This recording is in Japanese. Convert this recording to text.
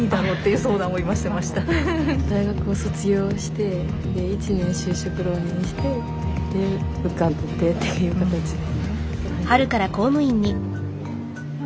大学を卒業してで１年就職浪人してで受かってっていう形で。